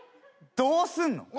どうすんの？